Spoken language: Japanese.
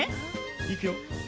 いくよ。